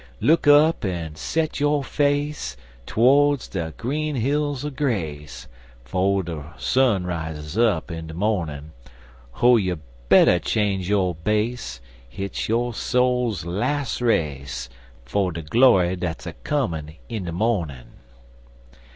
Look up en set yo' face To'ds de green hills of grace 'Fo' de sun rises up in de mornin' Oh, you better change yo' base, Hits yo' soul's las' race For de glory dat's a comin' in de mornin'!